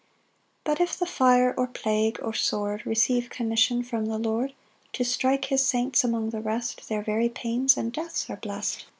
9 But if the fire, or plague, or sword, Receive commission from the Lord To strike his saints among the rest, Their very pains and deaths are blest.